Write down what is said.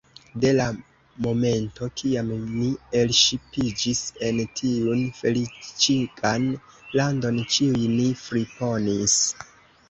De la momento, kiam ni elŝipiĝis en tiun feliĉigan landon, ĉiuj nin friponis.